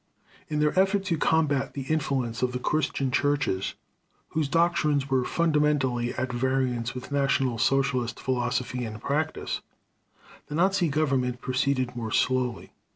In their effort to combat the influence of the Christian churches, whose doctrines were fundamentally at variance with National Socialist philosophy and practice, the Nazi Government proceeded more slowly.